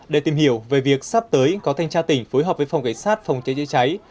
để tìm hiểu về việc sắp tới có thanh tra tỉnh phối hợp với phòng cảnh sát phòng cháy chữa cháy